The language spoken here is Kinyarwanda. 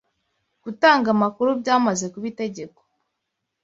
gutanga amakuru byamaze kuba itegeko